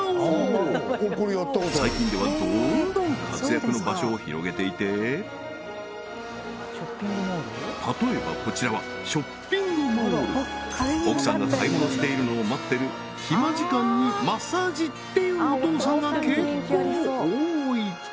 最近ではどんどん例えばこちらはショッピングモール奥さんが買い物しているのを待ってる暇時間にマッサージっていうお父さんが結構多い！